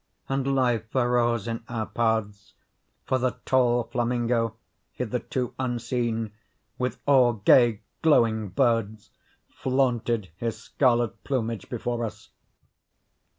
And life arose in our paths; for the tall flamingo, hitherto unseen, with all gay glowing birds, flaunted his scarlet plumage before us.